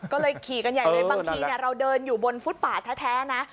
ก็เลยขี่กันใหญ่เลยบางทีเราเดินอยู่บนฟุตป่าแท้นะ